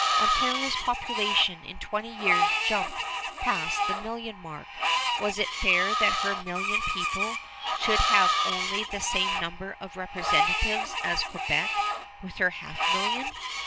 Ontario's population in twenty years jumped past the million mark. Was it fair that her million people should have only the same number of representatives as Quebec with her half million?